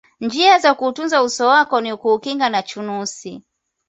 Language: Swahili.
njia za kuutunza uso wako ni kuukinga na chunusi